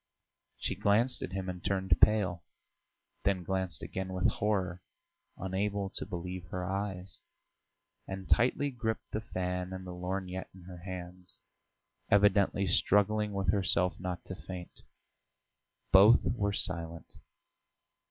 She glanced at him and turned pale, then glanced again with horror, unable to believe her eyes, and tightly gripped the fan and the lorgnette in her hands, evidently struggling with herself not to faint. Both were silent.